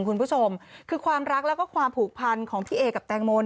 คุณผู้ชมคือความรักแล้วก็ความผูกพันของพี่เอกับแตงโม